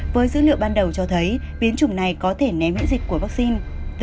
với dữ liệu ban đầu cho thấy biến chủng này có thể ném miễn dịch của vaccine